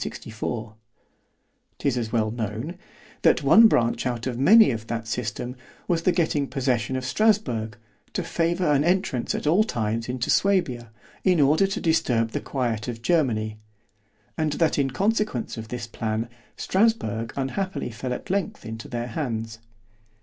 'Tis as well known, that one branch out of many of that system, was the getting possession of Strasburg, to favour an entrance at all times into Suabia, in order to disturb the quiet of Germany——and that in consequence of this plan, Strasburg unhappily fell at length into their hands.